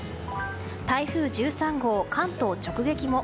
台風１３号、関東直撃も。